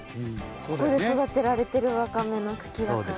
ここで育てられてるワカメの茎だから。